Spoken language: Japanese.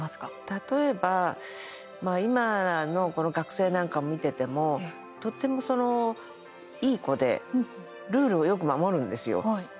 例えば、今の学生なんかを見ていても、とてもいい子でルールをよく守るんですよ。